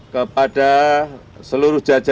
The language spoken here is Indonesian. kepada seluruh rakyat